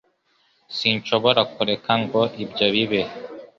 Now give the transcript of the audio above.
Sinshobora kureka ngo ibyo bibe.